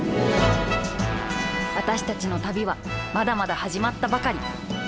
私たちの旅はまだまだはじまったばかり。